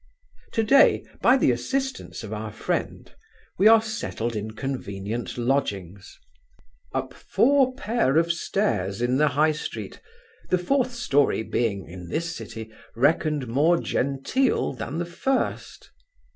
To day, by the assistance of our friend, we are settled in convenient lodgings, up four pair of stairs, in the High street, the fourth story being, in this city, reckoned more genteel than the first.